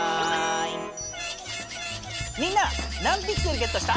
みんな何ピクセルゲットした？